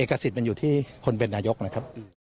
ขสิทธิ์มันอยู่ที่คนเป็นนายกนะครับ